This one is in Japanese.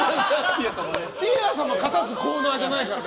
ティア様勝たすコーナーじゃないから！